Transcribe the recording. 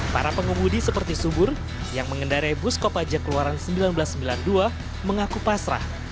para pengemudi seperti subur yang mengendarai bus kopaja keluaran seribu sembilan ratus sembilan puluh dua mengaku pasrah